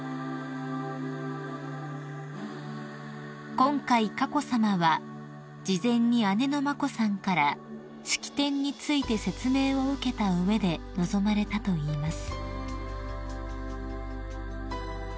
［今回佳子さまは事前に姉の眞子さんから式典について説明を受けた上で臨まれたといいます］